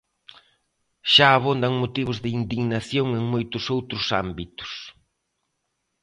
Xa abondan motivos de indignación en moitos outros ámbitos.